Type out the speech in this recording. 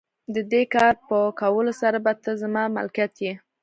د دې کار په کولو سره به ته زما ملکیت یې.